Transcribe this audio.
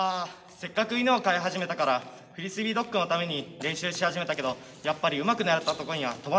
せっかく犬を飼い始めたからフリスビードッグのために練習し始めたけどやっぱりうまく狙ったとこには飛ばないや。